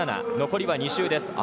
残りは２周。